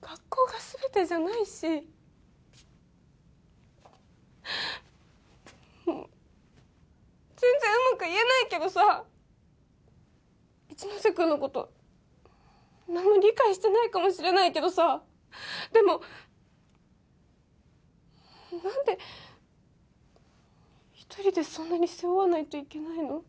学校が全てじゃないし全然うまく言えないけどさ一ノ瀬君のこと何も理解してないかもしれないけどさでも何で１人でそんなに背負わないといけないの？